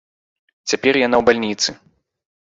Цяпер яна ў бальніцы.